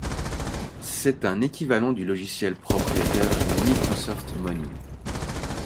C’est un équivalent du logiciel propriétaire Microsoft Money.